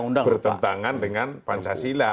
tidak bertentangan dengan pancasila